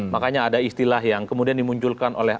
makanya ada istilah yang kemudian dimunculkan oleh